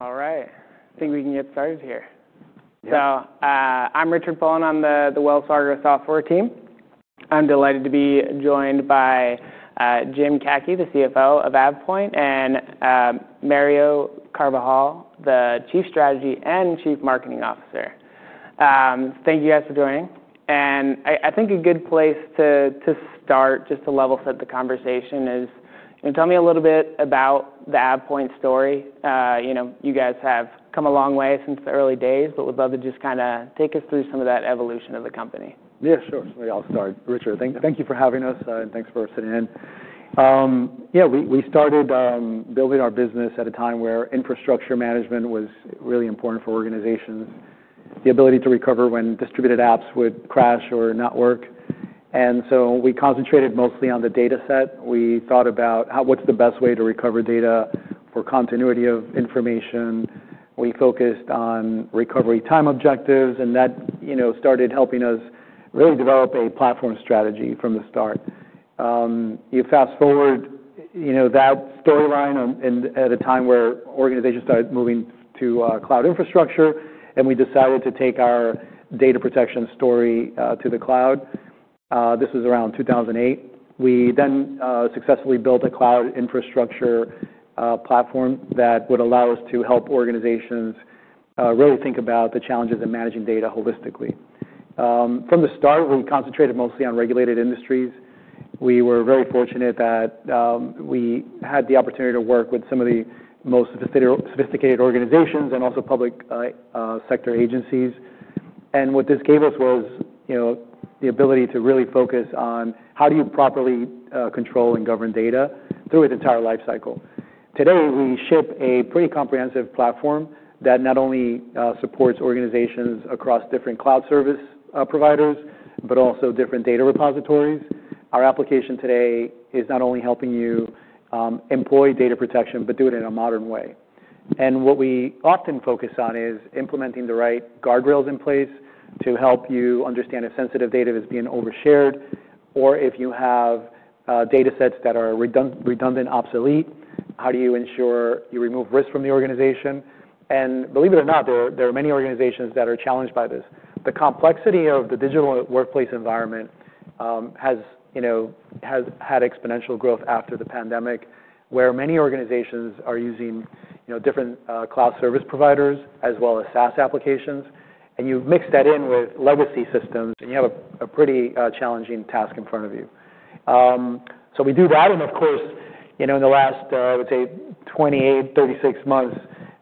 All right. I think we can get started here. I'm Richard Bowen on the Wells Fargo software team. I'm delighted to be joined by Jim Caci, the CFO of AvePoint, and Mario Carvajal, the Chief Strategy and Chief Marketing Officer. Thank you guys for joining. I think a good place to start, just to level set the conversation, is, you know, tell me a little bit about the AvePoint story. You know, you guys have come a long way since the early days, but we'd love to just kinda take us through some of that evolution of the company. Yeah, sure. I'll start. Richard, thank you for having us, and thanks for sitting in. Yeah, we started building our business at a time where infrastructure management was really important for organizations, the ability to recover when distributed apps would crash or not work. We concentrated mostly on the data set. We thought about how, what's the best way to recover data for continuity of information. We focused on recovery time objectives, and that, you know, started helping us really develop a platform strategy from the start. You fast forward, you know, that storyline at a time where organizations started moving to cloud infrastructure, and we decided to take our data protection story to the cloud. This was around 2008. We then, successfully built a cloud infrastructure, platform that would allow us to help organizations, really think about the challenges in managing data holistically. From the start, we concentrated mostly on regulated industries. We were very fortunate that, we had the opportunity to work with some of the most sophisticated organizations and also public sector agencies. What this gave us was, you know, the ability to really focus on how do you properly, control and govern data through its entire lifecycle. Today, we ship a pretty comprehensive platform that not only, supports organizations across different cloud service providers, but also different data repositories. Our application today is not only helping you, employ data protection, but do it in a modern way. What we often focus on is implementing the right guardrails in place to help you understand if sensitive data is being overshared, or if you have data sets that are redundant, obsolete, how do you ensure you remove risk from the organization? Believe it or not, there are many organizations that are challenged by this. The complexity of the digital workplace environment has, you know, had exponential growth after the pandemic, where many organizations are using, you know, different cloud service providers as well as SaaS applications. You mix that in with legacy systems, and you have a pretty challenging task in front of you. We do that. Of course, you know, in the last, I would say 28, 36 months,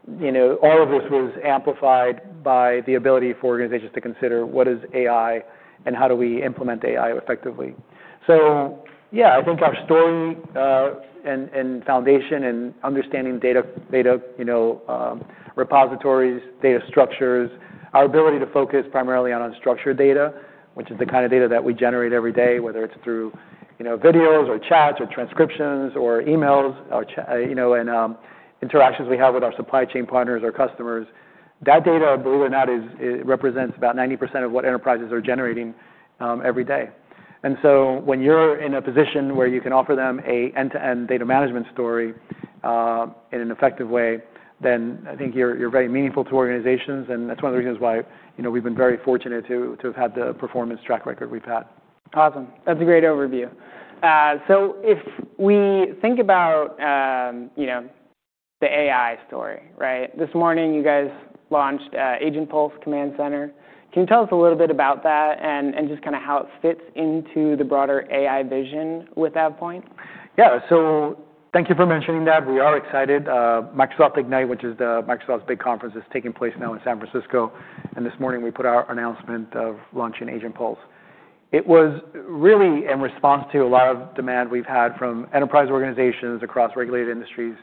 all of this was amplified by the ability for organizations to consider what is AI and how do we implement AI effectively. Yeah, I think our story and foundation and understanding data, data repositories, data structures, our ability to focus primarily on unstructured data, which is the kind of data that we generate every day, whether it's through videos or chats or transcriptions or emails or chat, and interactions we have with our supply chain partners, our customers, that data, believe it or not, represents about 90% of what enterprises are generating every day. When you're in a position where you can offer them an end-to-end data management story in an effective way, then I think you're very meaningful to organizations. That's one of the reasons why, you know, we've been very fortunate to have had the performance track record we've had. Awesome. That's a great overview. If we think about, you know, the AI story, right, this morning you guys launched AgentPulse Command Center. Can you tell us a little bit about that and just kinda how it fits into the broader AI vision with AvePoint? Yeah. Thank you for mentioning that. We are excited. Microsoft Ignite, which is Microsoft's big conference, is taking place now in San Francisco. This morning we put out our announcement of launching AgentPulse. It was really in response to a lot of demand we've had from enterprise organizations across regulated industries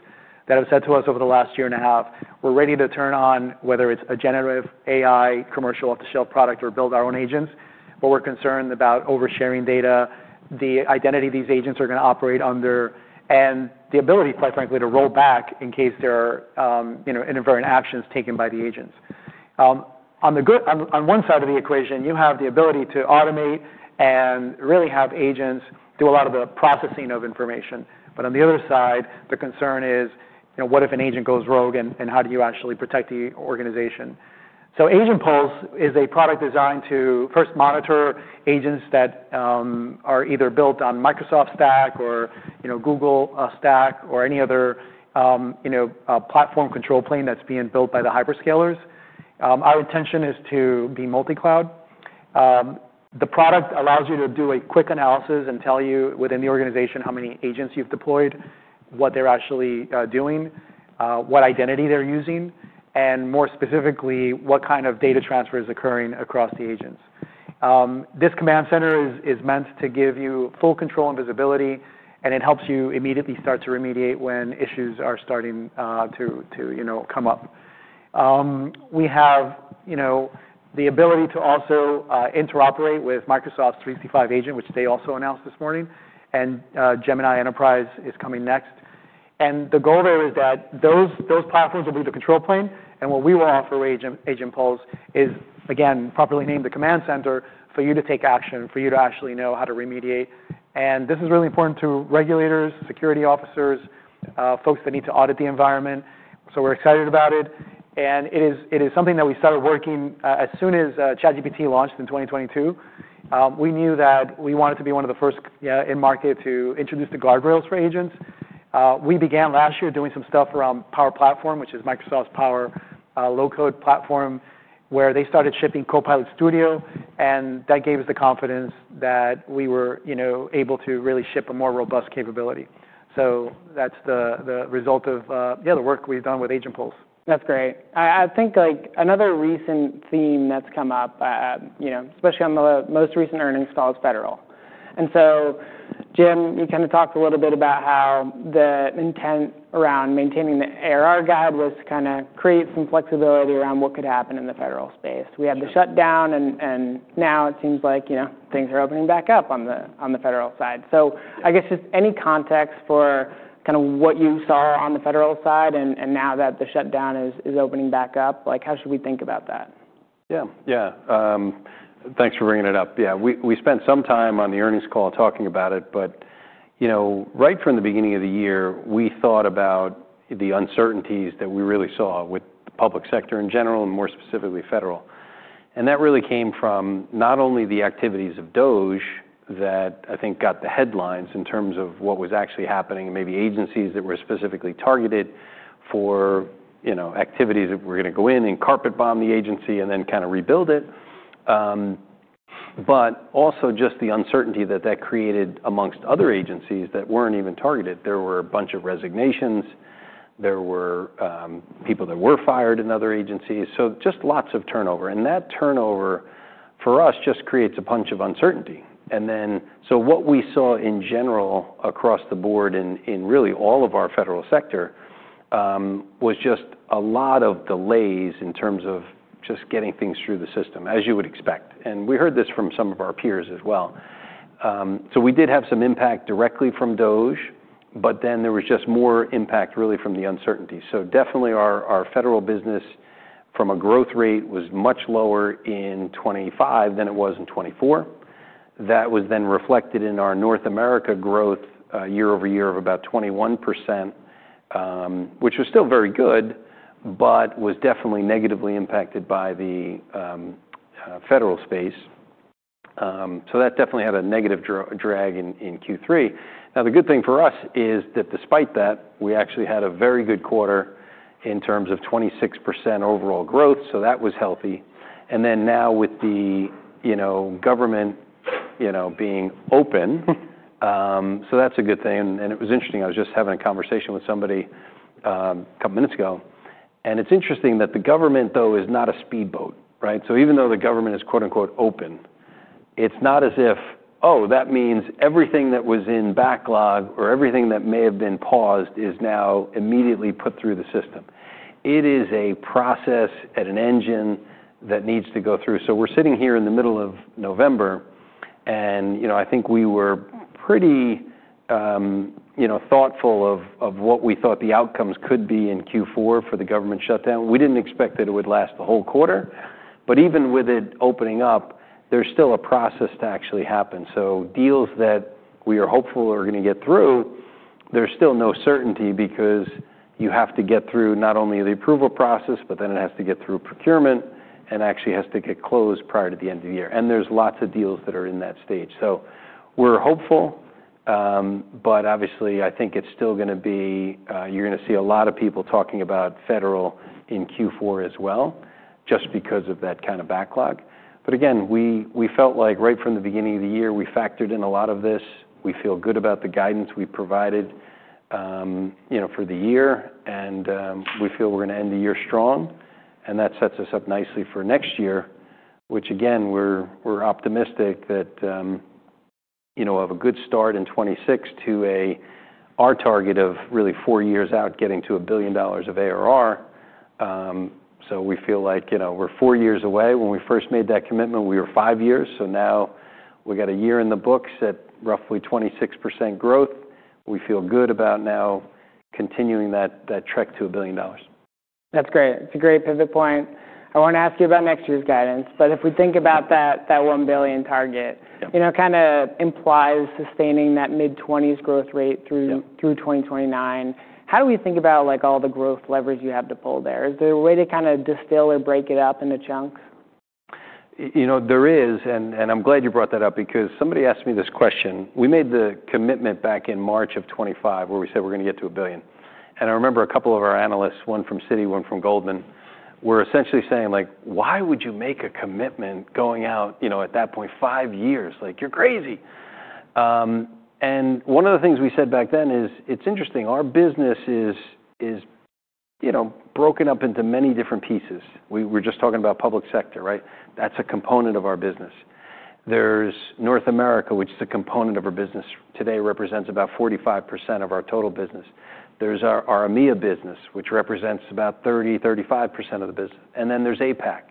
that have said to us over the last year and a half, We're ready to turn on whether it's a generative AI commercial off-the-shelf product or build our own agents. We're concerned about oversharing data, the identity these agents are gonna operate under, and the ability, quite frankly, to roll back in case there are, you know, inadvertent actions taken by the agents. On one side of the equation, you have the ability to automate and really have agents do a lot of the processing of information. On the other side, the concern is, you know, what if an agent goes rogue and how do you actually protect the organization? AgentPulse is a product designed to first monitor agents that are either built on Microsoft stack or, you know, Google stack or any other, you know, platform control plane that's being built by the hyperscalers. Our intention is to be multi-cloud. The product allows you to do a quick analysis and tell you within the organization how many agents you've deployed, what they're actually doing, what identity they're using, and more specifically, what kind of data transfer is occurring across the agents. This command center is meant to give you full control and visibility, and it helps you immediately start to remediate when issues are starting to, you know, come up. We have, you know, the ability to also interoperate with Microsoft's 365 agent, which they also announced this morning, and Gemini Enterprise is coming next. The goal there is that those platforms will be the control plane. What we will offer, AgentPulse, is, again, properly named the command center for you to take action, for you to actually know how to remediate. This is really important to regulators, security officers, folks that need to audit the environment. We are excited about it. It is something that we started working, as soon as ChatGPT launched in 2022. We knew that we wanted to be one of the first, yeah, in market to introduce the guardrails for agents. We began last year doing some stuff around Power Platform, which is Microsoft's power, low-code platform, where they started shipping Copilot Studio. That gave us the confidence that we were, you know, able to really ship a more robust capability. That's the result of, yeah, the work we've done with AgentPulse. That's great. I think, like, another recent theme that's come up, you know, especially on the most recent earnings call is federal. Jim, you kinda talked a little bit about how the intent around maintaining the ARR guide was to kinda create some flexibility around what could happen in the federal space. We had the shutdown, and now it seems like, you know, things are opening back up on the federal side. I guess just any context for kinda what you saw on the federal side and now that the shutdown is opening back up, like, how should we think about that? Yeah. Yeah. Thanks for bringing it up. Yeah. We spent some time on the earnings call talking about it, but, you know, right from the beginning of the year, we thought about the uncertainties that we really saw with the public sector in general and more specifically federal. That really came from not only the activities of Doge that I think got the headlines in terms of what was actually happening and maybe agencies that were specifically targeted for, you know, activities that were gonna go in and carpet-bomb the agency and then kinda rebuild it, but also just the uncertainty that that created amongst other agencies that were not even targeted. There were a bunch of resignations. There were people that were fired in other agencies. Just lots of turnover. That turnover, for us, just creates a bunch of uncertainty. What we saw in general across the board in really all of our federal sector was just a lot of delays in terms of just getting things through the system, as you would expect. We heard this from some of our peers as well. We did have some impact directly from Doge, but then there was just more impact really from the uncertainty. Definitely our federal business from a growth rate was much lower in 2025 than it was in 2024. That was then reflected in our North America growth, year-ove- year of about 21%, which was still very good, but was definitely negatively impacted by the federal space. That definitely had a negative drag in Q3. Now, the good thing for us is that despite that, we actually had a very good quarter in terms of 26% overall growth. That was healthy. Now with the, you know, government, you know, being open, that is a good thing. It was interesting. I was just having a conversation with somebody a couple minutes ago. It is interesting that the government, though, is not a speedboat, right? Even though the government is quote unquote open, it is not as if, oh, that means everything that was in backlog or everything that may have been paused is now immediately put through the system. It is a process and an engine that needs to go through. We're sitting here in the middle of November, and, you know, I think we were pretty, you know, thoughtful of what we thought the outcomes could be in Q4 for the government shutdown. We didn't expect that it would last the whole quarter. Even with it opening up, there's still a process to actually happen. Deals that we are hopeful are gonna get through, there's still no certainty because you have to get through not only the approval process, but then it has to get through procurement and actually has to get closed prior to the end of the year. There's lots of deals that are in that stage. We're hopeful, but obviously, I think it's still gonna be, you're gonna see a lot of people talking about federal in Q4 as well just because of that kind of backlog. Again, we felt like right from the beginning of the year, we factored in a lot of this. We feel good about the guidance we provided, you know, for the year. We feel we're gonna end the year strong. That sets us up nicely for next year, which again, we're optimistic that, you know, we'll have a good start in 2026 to our target of really four years out getting to a billion dollars of ARR. We feel like, you know, we're four years away. When we first made that commitment, we were five years. Now we got a year in the books at roughly 26% growth. We feel good about now continuing that trek to $1 billion. That's great. It's a great pivot point. I wanna ask you about next year's guidance. If we think about that $1- billion target. Yeah. You know, kinda implies sustaining that mid-20s growth rate through. Yeah. Through 2029. How do we think about, like, all the growth levers you have to pull there? Is there a way to kinda distill or break it up into chunks? You know, there is. And I am glad you brought that up because somebody asked me this question. We made the commitment back in March of 2025 where we said we are gonna get to $1 billion. I remember a couple of our analysts, one from Citi, one from Goldman, were essentially saying, like, why would you make a commitment going out, you know, at that point, five years? Like, you are crazy. One of the things we said back then is it is interesting. Our business is, you know, broken up into many different pieces. We were just talking about public sector, right? That is a component of our business. There is North America, which is a component of our business. Today represents about 45% of our total business. There is our AMEA business, which represents about 30%-35% of the business. And then there is APAC.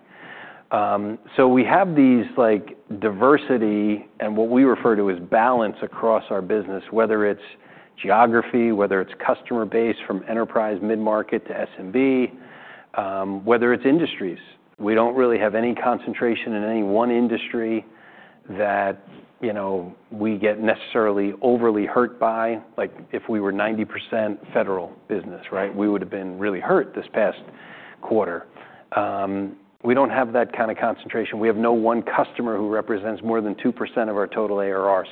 We have these, like, diversity and what we refer to as balance across our business, whether it's geography, whether it's customer base from enterprise, mid-market to SMB, whether it's industries. We don't really have any concentration in any one industry that, you know, we get necessarily overly hurt by. Like, if we were 90% federal business, right, we would have been really hurt this past quarter. We don't have that kind of concentration. We have no one customer who represents more than 2% of our total ARR.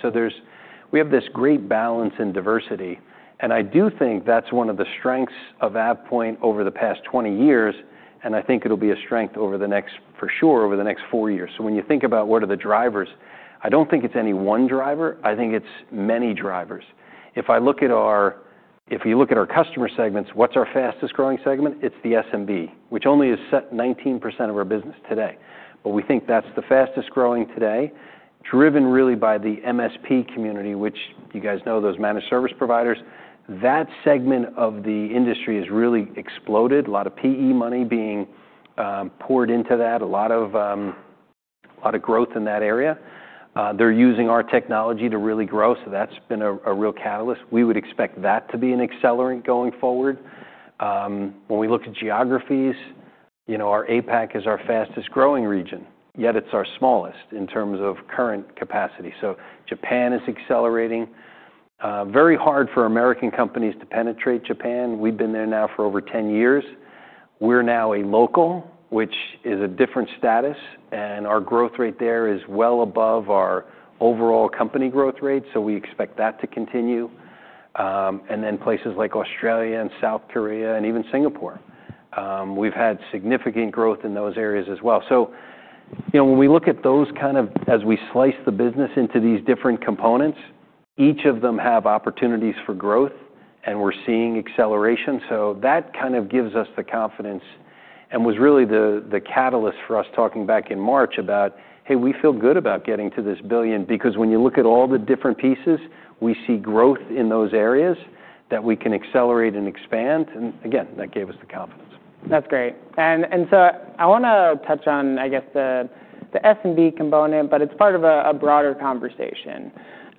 We have this great balance and diversity. I do think that's one of the strengths of AvePoint over the past 20 years. I think it'll be a strength for sure over the next four years. When you think about what are the drivers, I don't think it's any one driver. I think it's many drivers. If I look at our, if you look at our customer segments, what's our fastest growing segment? It's the SMB, which only is at 19% of our business today. But we think that's the fastest growing today, driven really by the MSP community, which you guys know, those managed service providers. That segment of the industry has really exploded. A lot of PE money being poured into that. A lot of growth in that area. They're using our technology to really grow. So that's been a real catalyst. We would expect that to be an accelerant going forward. When we look at geographies, you know, our APAC is our fastest growing region, yet it's our smallest in terms of current capacity. Japan is accelerating. Very hard for American companies to penetrate Japan. We've been there now for over 10 years. We're now a local, which is a different status. Our growth rate there is well above our overall company growth rate. We expect that to continue. And then places like Australia and South Korea and even Singapore, we've had significant growth in those areas as well. You know, when we look at those kind of as we slice the business into these different components, each of them have opportunities for growth, and we're seeing acceleration. That kind of gives us the confidence and was really the catalyst for us talking back in March about, hey, we feel good about getting to this $1 billion because when you look at all the different pieces, we see growth in those areas that we can accelerate and expand. Again, that gave us the confidence. That's great. And so I wanna touch on, I guess, the SMB component, but it's part of a broader conversation.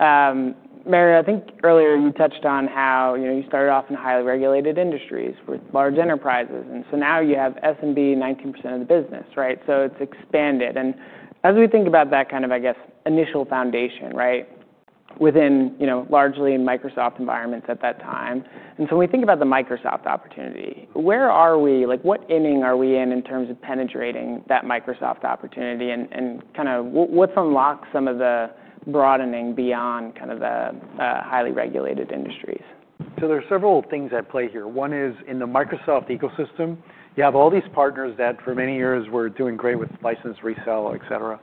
Mario, I think earlier you touched on how, you know, you started off in highly regulated industries with large enterprises. And so now you have SMB, 19% of the business, right? So it's expanded. And as we think about that kind of, I guess, initial foundation, right, within, you know, largely Microsoft environments at that time. And so when we think about the Microsoft opportunity, where are we? Like, what inning are we in in terms of penetrating that Microsoft opportunity and kinda what's unlocked some of the broadening beyond kind of the highly regulated industries? There are several things at play here. One is in the Microsoft ecosystem, you have all these partners that for many years were doing great with license, resell, et cetera.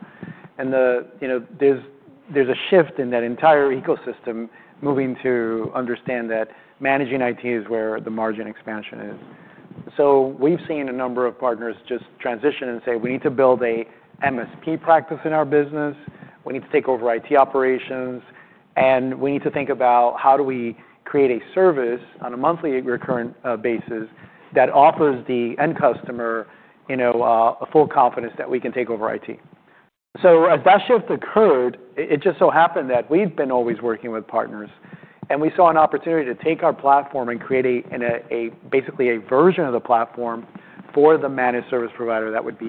You know, there's a shift in that entire ecosystem moving to understand that managing IT is where the margin expansion is. We've seen a number of partners just transition and say, we need to build a MSP practice in our business. We need to take over IT operations. We need to think about how do we create a service on a monthly recurrent basis that offers the end customer, you know, a full confidence that we can take over IT. As that shift occurred, it just so happened that we've been always working with partners. We saw an opportunity to take our platform and create basically a version of the platform for the managed service provider that would be,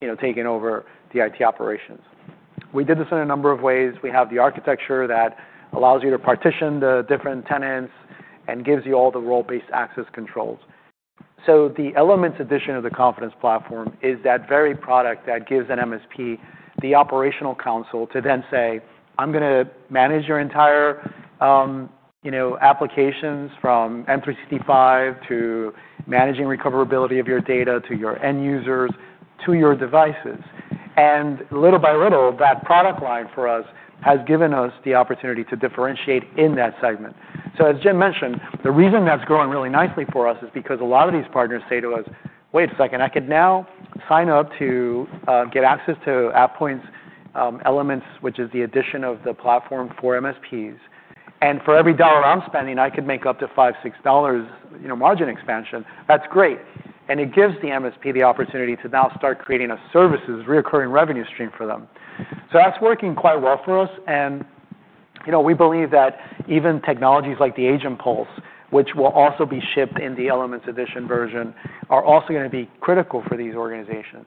you know, taking over the IT operations. We did this in a number of ways. We have the architecture that allows you to partition the different tenants and gives you all the role-based access controls. The Elements edition of the Confidence Platform is that very product that gives an MSP the operational counsel to then say, I'm gonna manage your entire, you know, applications from M365 to managing recoverability of your data to your end users to your devices. Little by little, that product line for us has given us the opportunity to differentiate in that segment. As Jim mentioned, the reason that's growing really nicely for us is because a lot of these partners say to us, wait a second, I could now sign up to get access to AvePoint's Elements, which is the edition of the platform for MSPs. For every dollar I'm spending, I could make up to $5-$6, you know, margin expansion. That's great. It gives the MSP the opportunity to now start creating a services recurring revenue stream for them. That's working quite well for us. You know, we believe that even technologies like AgentPulse, which will also be shipped in the Elements edition version, are also gonna be critical for these organizations.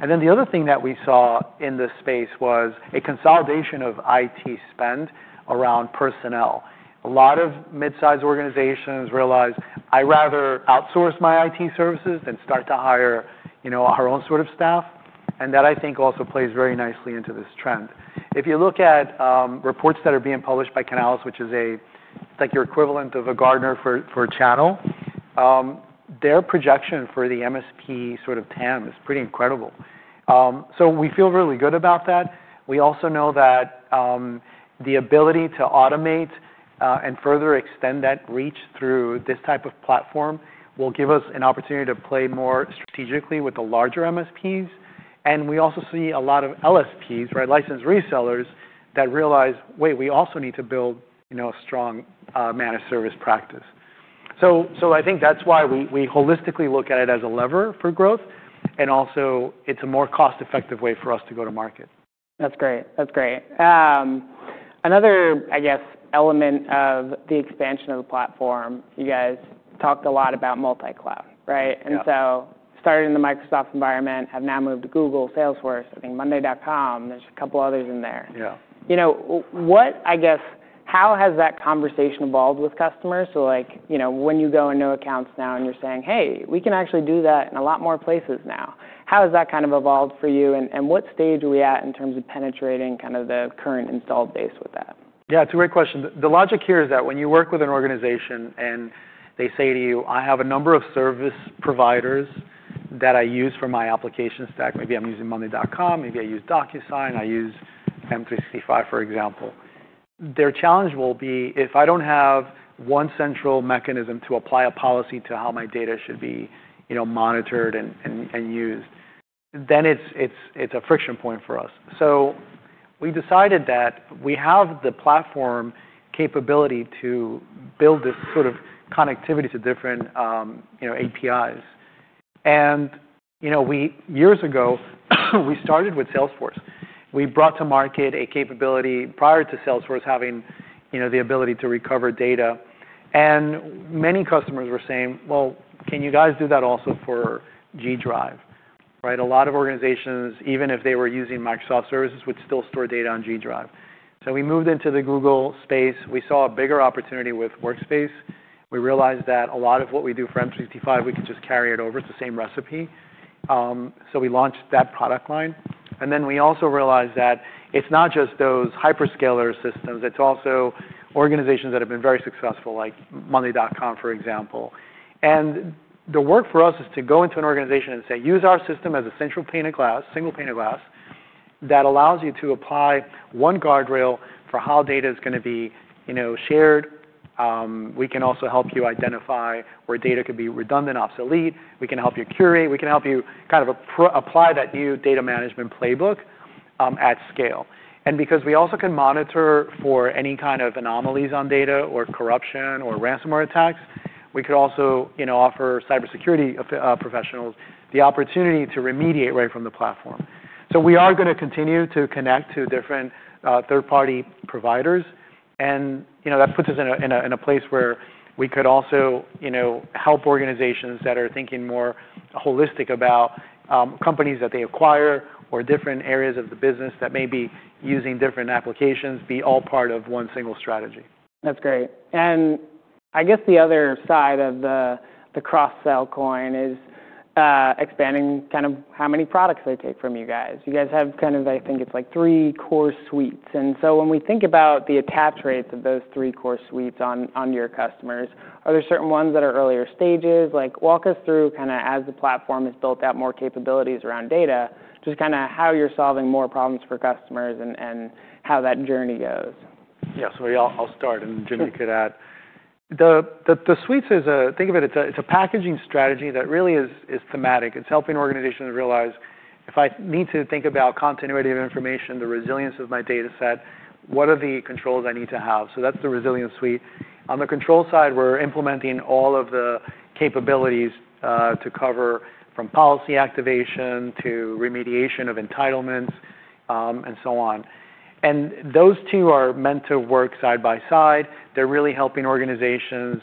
The other thing that we saw in this space was a consolidation of IT spend around personnel. A lot of mid-size organizations realize I'd rather outsource my IT services than start to hire, you know, our own sort of staff. That I think also plays very nicely into this trend. If you look at reports that are being published by Canalys, which is like your equivalent of a Gartner for a channel, their projection for the MSP sort of TAM is pretty incredible. We feel really good about that. We also know that the ability to automate, and further extend that reach through this type of platform will give us an opportunity to play more strategically with the larger MSPs. We also see a lot of LSPs, right, licensed resellers that realize, wait, we also need to build, you know, a strong managed service practice. I think that's why we holistically look at it as a lever for growth. And also, it's a more cost-effective way for us to go to market. That's great. That's great. Another, I guess, element of the expansion of the platform, you guys talked a lot about multi-cloud, right? Yeah. Started in the Microsoft environment, have now moved to Google, Salesforce, I think Monday.com. There are a couple others in there. Yeah. You know, what I guess, how has that conversation evolved with customers? Like, you know, when you go into accounts now and you're saying, hey, we can actually do that in a lot more places now, how has that kind of evolved for you? And what stage are we at in terms of penetrating kind of the current installed base with that? Yeah, it's a great question. The logic here is that when you work with an organization and they say to you, I have a number of service providers that I use for my application stack, maybe I'm using Monday.com, maybe I use Docusign, I use M365, for example, their challenge will be if I don't have one central mechanism to apply a policy to how my data should be, you know, monitored and used, then it's a friction point for us. We decided that we have the platform capability to build this sort of connectivity to different APIs. You know, years ago, we started with Salesforce. We brought to market a capability prior to Salesforce having the ability to recover data. Many customers were saying, well, can you guys do that also for Google Drive, right? A lot of organizations, even if they were using Microsoft services, would still store data on Google Drive. We moved into the Google space. We saw a bigger opportunity with Workspace. We realized that a lot of what we do for M365, we could just carry it over. It's the same recipe. We launched that product line. We also realized that it's not just those hyperscaler systems. It's also organizations that have been very successful, like Monday.com, for example. The work for us is to go into an organization and say, use our system as a central pane of glass, single pane of glass that allows you to apply one guardrail for how data is gonna be, you know, shared. We can also help you identify where data could be redundant, obsolete. We can help you curate. We can help you kind of apply that new data management playbook, at scale. Because we also can monitor for any kind of anomalies on data or corruption or ransomware attacks, we could also, you know, offer cybersecurity professionals the opportunity to remediate right from the platform. We are gonna continue to connect to different, third-party providers. You know, that puts us in a place where we could also, you know, help organizations that are thinking more holistic about companies that they acquire or different areas of the business that may be using different applications be all part of one single strategy. That's great. I guess the other side of the cross-sell coin is, expanding kind of how many products they take from you guys. You guys have kind of, I think it's like three core suites. When we think about the attach rates of those three core suites on your customers, are there certain ones that are earlier stages? Like, walk us through kinda as the platform has built out more capabilities around data, just kinda how you're solving more problems for customers and how that journey goes. Yeah. I'll start and Jim, you could add. The suites is a, think of it, it's a packaging strategy that really is thematic. It's helping organizations realize if I need to think about continuity of information, the resilience of my data set, what are the controls I need to have. That's the Resilience Suite. On the control side, we're implementing all of the capabilities to cover from policy activation to remediation of entitlements, and so on. Those two are meant to work side by side. They're really helping organizations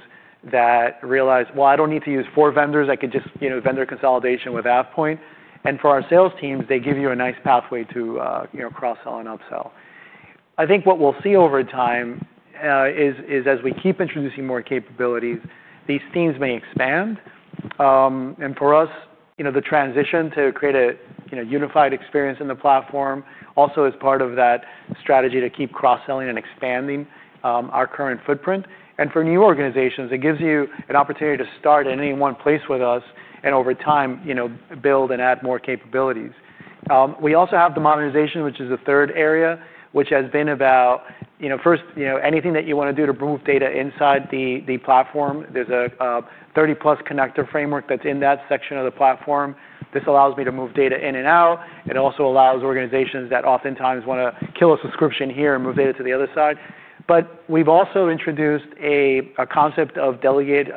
that realize, well, I don't need to use four vendors. I could just, you know, vendor consolidation with AvePoint. For our sales teams, they give you a nice pathway to, you know, cross-sell and upsell. I think what we'll see over time is as we keep introducing more capabilities, these themes may expand. For us, you know, the transition to create a, you know, unified experience in the platform also is part of that strategy to keep cross-selling and expanding our current footprint. For new organizations, it gives you an opportunity to start in any one place with us and over time, you know, build and add more capabilities. We also have the modernization, which is the third area, which has been about, you know, first, you know, anything that you wanna do to move data inside the platform. There's a 30-plus connector framework that's in that section of the platform. This allows me to move data in and out. It also allows organizations that oftentimes wanna kill a subscription here and move data to the other side. We have also introduced a concept of delegated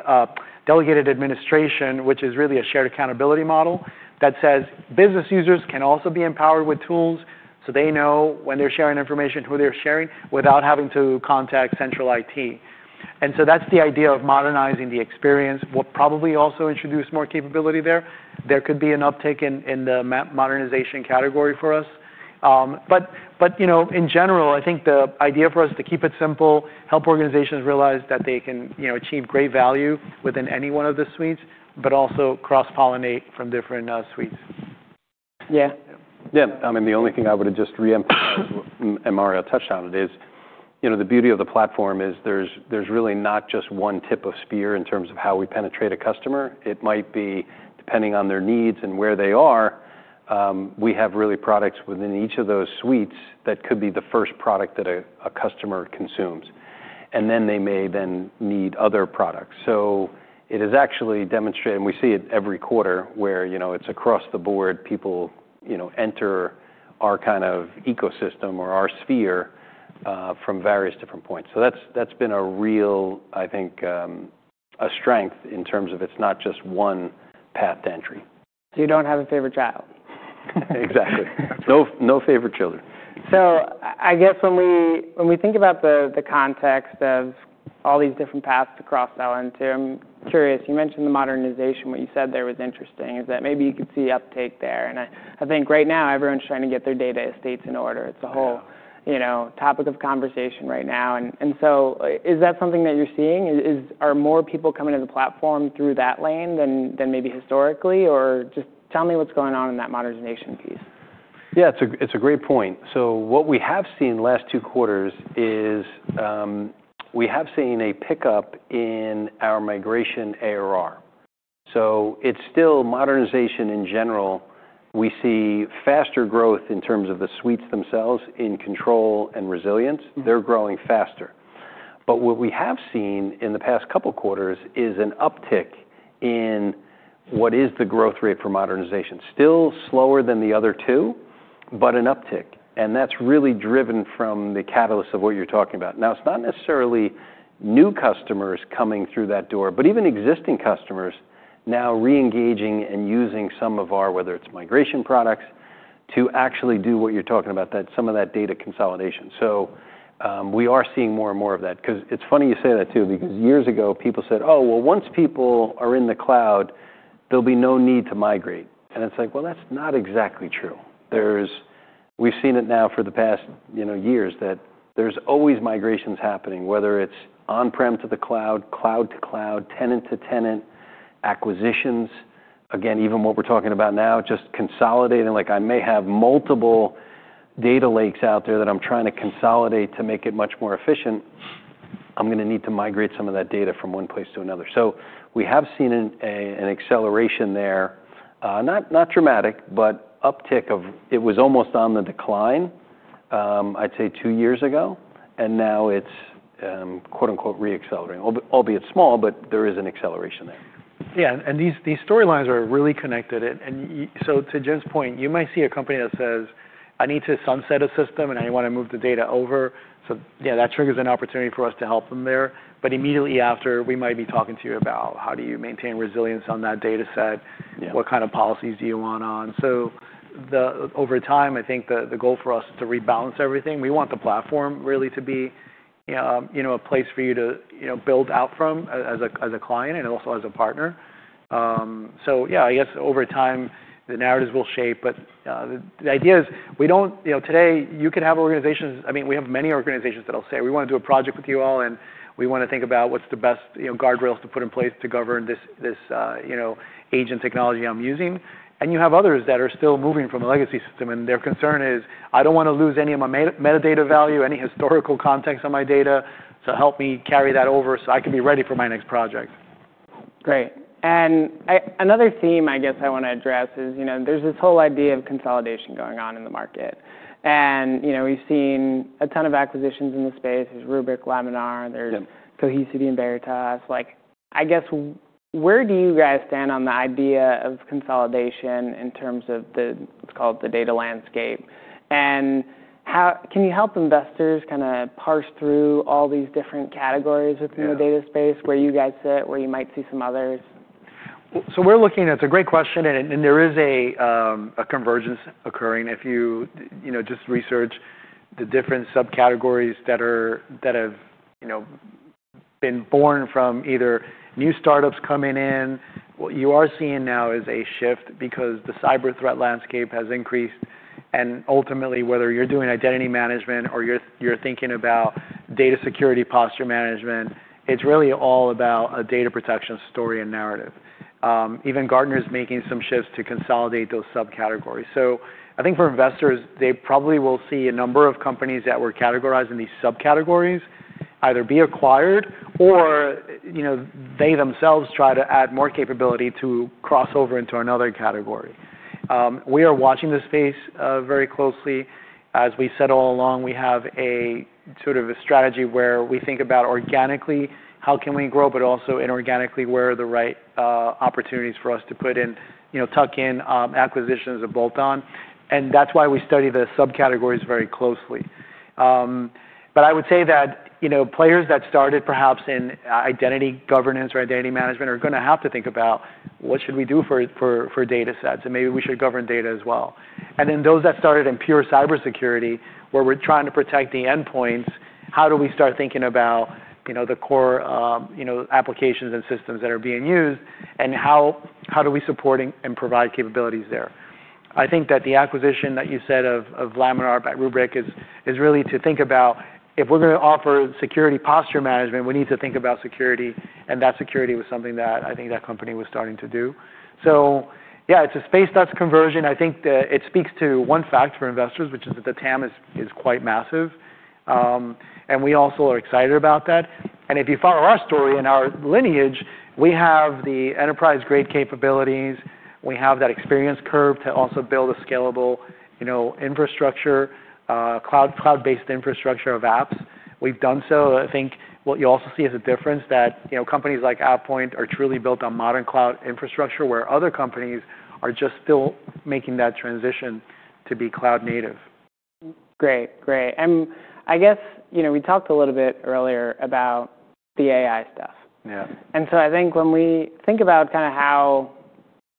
administration, which is really a shared accountability model that says business users can also be empowered with tools so they know when they're sharing information, who they're sharing without having to contact central IT. That is the idea of modernizing the experience. We'll probably also introduce more capability there. There could be an uptick in the modernization category for us. In general, I think the idea for us is to keep it simple, help organizations realize that they can achieve great value within any one of the suites, but also cross-pollinate from different suites. Yeah. Yeah. I mean, the only thing I would have just re-emphasized, and Mario touched on it, is, you know, the beauty of the platform is there's really not just one tip of spear in terms of how we penetrate a customer. It might be depending on their needs and where they are. We have really products within each of those suites that could be the first product that a customer consumes. And then they may then need other products. It is actually demonstrated, and we see it every quarter where, you know, it's across the board, people, you know, enter our kind of ecosystem or our sphere from various different points. That's been a real, I think, a strength in terms of it's not just one path to entry. You don't have a favorite child. Exactly. No, no favorite children. I guess when we think about the context of all these different paths to cross-sell into, I'm curious, you mentioned the modernization. What you said there was interesting is that maybe you could see uptake there. I think right now everyone's trying to get their data estates in order. It's a whole, you know, topic of conversation right now. Is that something that you're seeing? Are more people coming to the platform through that lane than maybe historically? Or just tell me what's going on in that modernization piece. Yeah, it's a great point. What we have seen last two quarters is, we have seen a pickup in our migration ARR. It's still modernization in general. We see faster growth in terms of the suites themselves in control and resilience. They're growing faster. What we have seen in the past couple quarters is an uptick in what is the growth rate for modernization. Still slower than the other two, but an uptick. That's really driven from the catalyst of what you're talking about. It's not necessarily new customers coming through that door, but even existing customers now re-engaging and using some of our, whether it's migration products, to actually do what you're talking about, that some of that data consolidation. We are seeing more and more of that. Because it's funny you say that too, because years ago people said, "Oh, well, once people are in the cloud, there'll be no need to migrate." It's like, well, that's not exactly true. We've seen it now for the past, you know, years that there's always migrations happening, whether it's on-prem to the cloud, cloud to cloud, tenant to tenant, acquisitions. Again, even what we're talking about now, just consolidating. Like, I may have multiple data lakes out there that I'm trying to consolidate to make it much more efficient. I'm gonna need to migrate some of that data from one place to another. We have seen an acceleration there, not dramatic, but uptick of it was almost on the decline, I'd say two years ago. Now it's, "re-accelerating," albeit small, but there is an acceleration there. Yeah. These storylines are really connected. To Jim's point, you might see a company that says, "I need to sunset a system and I wanna move the data over." Yeah, that triggers an opportunity for us to help them there. Immediately after, we might be talking to you about how do you maintain resilience on that data set. Yeah. What kind of policies do you want on? Over time, I think the goal for us is to rebalance everything. We want the platform really to be, you know, a place for you to, you know, build out from as a client and also as a partner. Yeah, I guess over time the narratives will shape. The idea is we do not, you know, today you could have organizations, I mean, we have many organizations that'll say, we wanna do a project with you all and we wanna think about what's the best, you know, guardrails to put in place to govern this, you know, agent technology I'm using. You have others that are still moving from a legacy system. Their concern is, I don't wanna lose any of my metadata value, any historical context on my data to help me carry that over so I can be ready for my next project. Great. Another theme I guess I wanna address is, you know, there's this whole idea of consolidation going on in the market. You know, we've seen a ton of acquisitions in the space. There's Rubrik, Laminar, there's Cohesity and Veritas. Like, I guess where do you guys stand on the idea of consolidation in terms of what's called the data landscape? How can you help investors kinda parse through all these different categories within the data space where you guys sit, where you might see some others? We're looking at it. It's a great question. And there is a convergence occurring. If you, you know, just research the different subcategories that have, you know, been born from either new startups coming in, what you are seeing now is a shift because the cyber threat landscape has increased. Ultimately, whether you're doing identity management or you're thinking about data security posture management, it's really all about a data protection story and narrative. Even Gartner's making some shifts to consolidate those subcategories. I think for investors, they probably will see a number of companies that were categorized in these subcategories either be acquired or, you know, they themselves try to add more capability to cross over into another category. We are watching this space very closely. As we said all along, we have a sort of a strategy where we think about organically how can we grow, but also inorganically where are the right opportunities for us to put in, you know, tuck-in acquisitions and bolt-on. That is why we study the subcategories very closely. I would say that, you know, players that started perhaps in identity governance or identity management are gonna have to think about what should we do for data sets and maybe we should govern data as well. Those that started in pure cybersecurity, where we're trying to protect the endpoints, how do we start thinking about, you know, the core applications and systems that are being used and how do we support and provide capabilities there? I think that the acquisition that you said of Laminar by Rubrik is really to think about if we're gonna offer security posture management, we need to think about security. And that security was something that I think that company was starting to do. Yeah, it's a space that's converging. I think that it speaks to one fact for investors, which is that the TAM is quite massive. We also are excited about that. If you follow our story and our lineage, we have the enterprise-grade capabilities. We have that experience curve to also build a scalable, you know, infrastructure, cloud-based infrastructure of apps. We've done so. I think what you also see is a difference that, you know, companies like AvePoint are truly built on modern cloud infrastructure where other companies are just still making that transition to be cloud-native. Great. Great. I guess, you know, we talked a little bit earlier about the AI stuff. Yeah. I think when we think about kinda how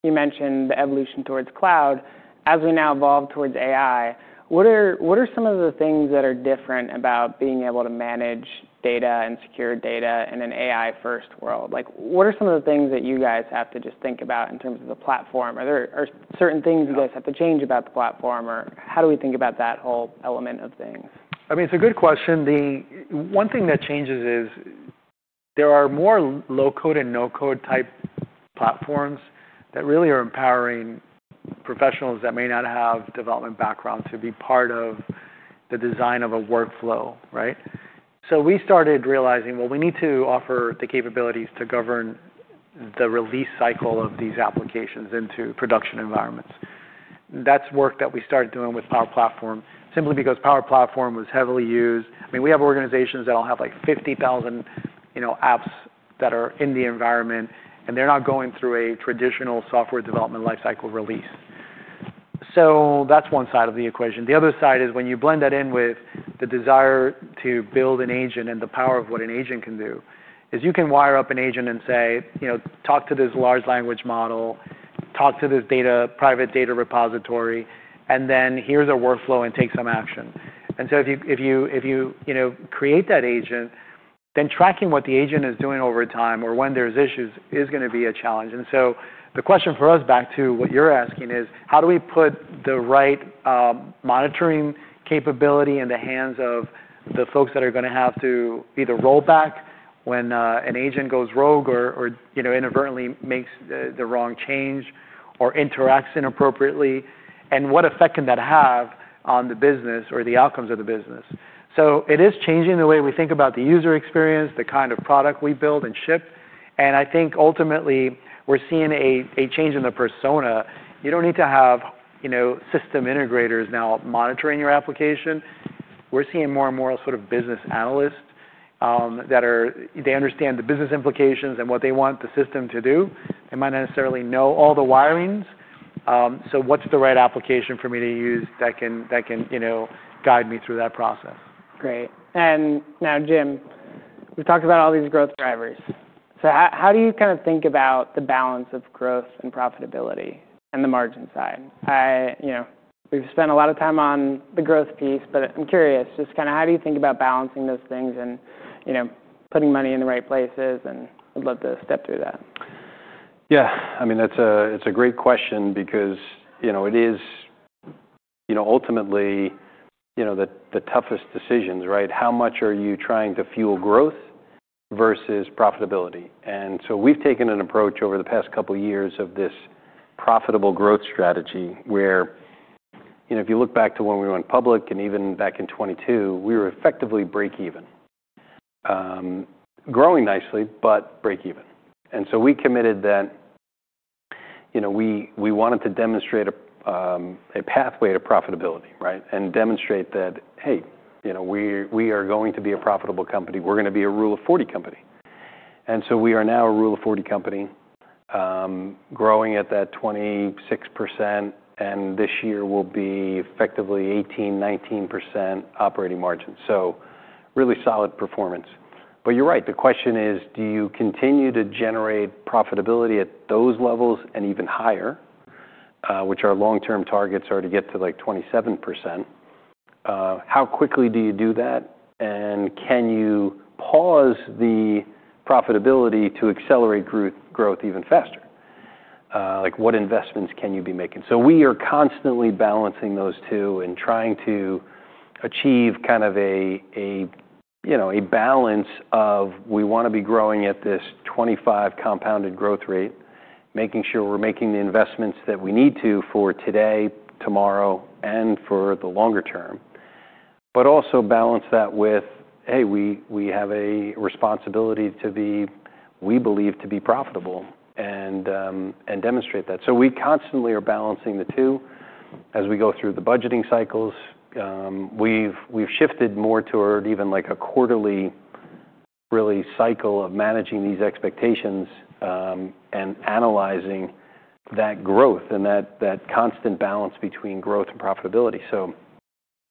you mentioned the evolution towards cloud, as we now evolve towards AI, what are some of the things that are different about being able to manage data and secure data in an AI-first world? Like, what are some of the things that you guys have to just think about in terms of the platform? Are there certain things you guys have to change about the platform or how do we think about that whole element of things? I mean, it's a good question. The one thing that changes is there are more low-code and no-code-type platforms that really are empowering professionals that may not have development background to be part of the design of a workflow, right? We started realizing, well, we need to offer the capabilities to govern the release cycle of these applications into production environments. That's work that we started doing with Power Platform simply because Power Platform was heavily used. I mean, we have organizations that'll have like 50,000, you know, apps that are in the environment, and they're not going through a traditional software development lifecycle release. That's one side of the equation. The other side is when you blend that in with the desire to build an agent and the power of what an agent can do is you can wire up an agent and say, you know, talk to this large language model, talk to this private data repository, and then here's a workflow and take some action. If you create that agent, then tracking what the agent is doing over time or when there's issues is gonna be a challenge. The question for us back to what you're asking is, how do we put the right monitoring capability in the hands of the folks that are gonna have to either roll back when an agent goes rogue or, you know, inadvertently makes the wrong change or interacts inappropriately? What effect can that have on the business or the outcomes of the business? It is changing the way we think about the user experience, the kind of product we build and ship. I think ultimately we're seeing a change in the persona. You don't need to have, you know, system integrators now monitoring your application. We're seeing more and more sort of business analysts that understand the business implications and what they want the system to do. They might not necessarily know all the wirings. What's the right application for me to use that can, you know, guide me through that process? Great. Now, Jim, we've talked about all these growth drivers. How do you kinda think about the balance of growth and profitability and the margin side? I, you know, we've spent a lot of time on the growth piece, but I'm curious just kinda how do you think about balancing those things and, you know, putting money in the right places? I'd love to step through that. Yeah. I mean, that's a it's a great question because, you know, it is, you know, ultimately, you know, the toughest decisions, right? How much are you trying to fuel growth versus profitability? And so we've taken an approach over the past couple years of this profitable growth strategy where, you know, if you look back to when we went public and even back in 2022, we were effectively break-even, growing nicely but break-even. And so we committed that, you know, we wanted to demonstrate a, a pathway to profitability, right, and demonstrate that, hey, you know, we are going to be a profitable company. We're gonna be a Rule-of-40 company. And so we are now a Rule-of-40 company, growing at that 26%. And this year will be effectively 18%-19% operating margin. Really solid performance. But you're right. The question is, do you continue to generate profitability at those levels and even higher, which our long-term targets are to get to like 27%? How quickly do you do that? Can you pause the profitability to accelerate growth even faster? Like, what investments can you be making? We are constantly balancing those two and trying to achieve kind of a, you know, a balance of we wanna be growing at this 25% compounded growth rate, making sure we're making the investments that we need to for today, tomorrow, and for the longer term, but also balance that with, hey, we have a responsibility to be, we believe, to be profitable and demonstrate that. We constantly are balancing the two as we go through the budgeting cycles. We've shifted more toward even like a quarterly really cycle of managing these expectations, and analyzing that growth and that constant balance between growth and profitability.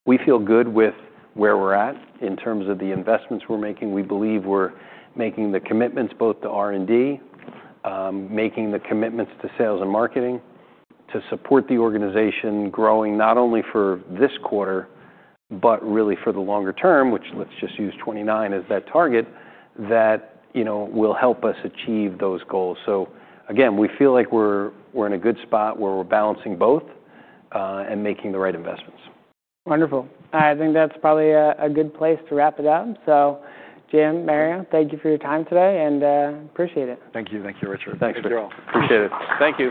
We feel good with where we're at in terms of the investments we're making. We believe we're making the commitments both to R&D, making the commitments to sales and marketing to support the organization growing not only for this quarter but really for the longer term, which let's just use 2029 as that target that, you know, will help us achieve those goals. Again, we feel like we're in a good spot where we're balancing both, and making the right investments. Wonderful. I think that's probably a good place to wrap it up. Jim, Mario, thank you for your time today and appreciate it. Thank you. Thank you, Richard. Th. Appreciate it. Thank you.